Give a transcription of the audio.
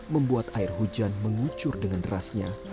membuat air hujan mengucur dengan derasnya